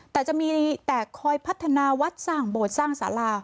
แต่จะมีแต่คอยพัฒนาวัดสร้างโบสถ์สร้างสารา